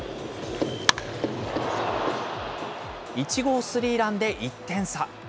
１号スリーランで１点差。